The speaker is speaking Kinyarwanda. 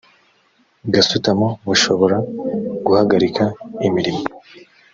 gasutamo bushobora guhagarika imirimo